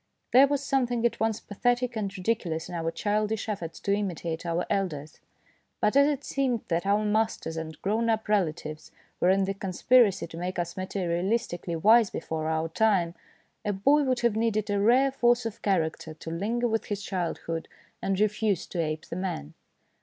There was something at once pathetic and ridi culous in our childish efforts to imitate our elders, but as it seemed that our masters and grown up relatives were in the con spiracy to make us materialistically wise before our time, a boy would have needed a rare force of character to linger with his childhood and refuse to ape the man.